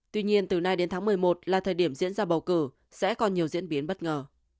tuy nhiên từ nay đến tháng một mươi một là thời điểm diễn ra bầu cử sẽ còn nhiều diễn biến bất ngờ